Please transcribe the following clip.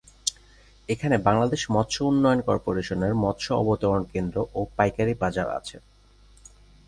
এখানে বাংলাদেশ মৎস্য উন্নয়ন কর্পোরেশনের মৎস্য অবতরণ কেন্দ্র ও পাইকারী বাজার আছে।